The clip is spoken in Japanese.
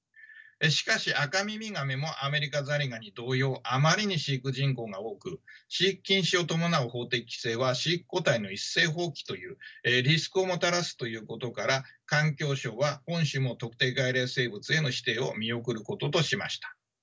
しかしアカミミガメもアメリカザリガニ同様あまりに飼育人口が多く飼育禁止を伴う法的規制は飼育個体の一斉放棄というリスクをもたらすということから環境省は本種も特定外来生物への指定を見送ることとしました。